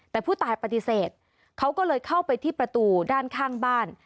แต่ผู้ตายปฏิเสธเขาก็เลยเข้าไปที่ประตูด้านข้างบ้าน